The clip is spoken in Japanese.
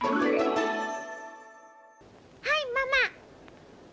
はい、ママ。